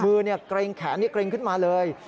มือเนี่ยเกรงแขนนี่เกรงขึ้นมาเลย